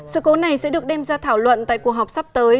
sự cố này sẽ được đem ra thảo luận tại cuộc họp sắp tới